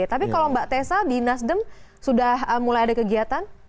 tapi kalau mbak tessa di nasdem sudah mulai ada kegiatan